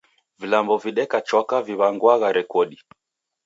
Vilambo vedaka chwaka viw'angwagha rekodi.